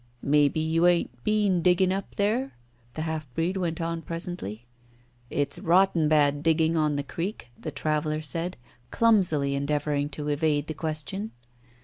"Maybe you ain't been digging up there?" the half breed went on presently. "It's rotten bad digging on the Creek," the traveller said, clumsily endeavouring to evade the question.